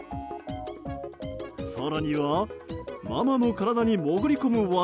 更には、ママの体に潜り込む技。